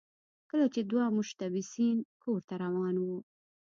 کله چې دوه متشبثین کور ته روان وو